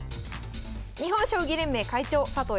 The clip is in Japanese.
日本将棋連盟会長佐藤